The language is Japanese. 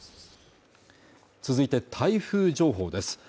続いて台風情報です